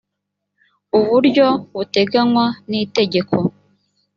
uburyo buteganywa n’itegeko